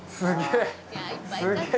すげえ。